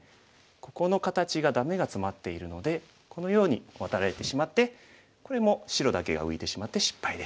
ここの形がダメがツマっているのでこのようにワタられてしまってこれも白だけが浮いてしまって失敗です。